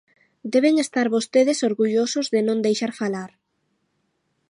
Deben estar vostedes orgullosos de non deixar falar.